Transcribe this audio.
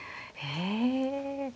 へえ。